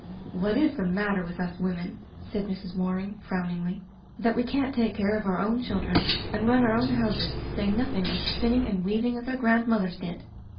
"What is the matter with us women," said Mrs. Waring frowningly, "that we can't take care of our own children and run our own houses, to say nothing of spinning and weaving as our grandmothers did